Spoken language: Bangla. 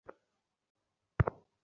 ঠাট্টা করিস না।